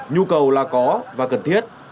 nhu cầu là có và cần thiết